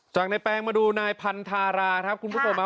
จากในแปลงมาดูนายพันธาราครับคุณผู้ชม